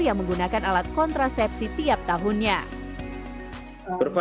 yang menggunakan alat kontrasepsi tiap tahunnya